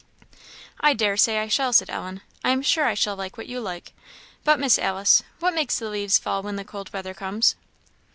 "I dare say I shall," said Ellen; "I am sure I shall like what you like. But, Miss Alice, what makes the leaves fall when the cold weather comes?"